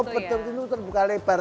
oh betul pintu terbuka lebar